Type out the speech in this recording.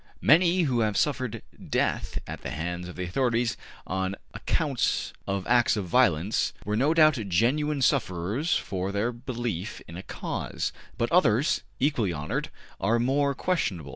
Many who have suffered death at the hands of the authorities on account of acts of violence were no doubt genuine sufferers for their belief in a cause, but others, equally honored, are more questionable.